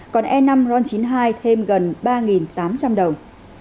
còn e năm ron chín mươi hai thêm gần ba tám trăm linh đồng